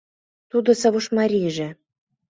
Тудо савушмарийже